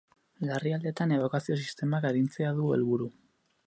Larrialdietan ebakuazio-sistemak arintzea du helburu.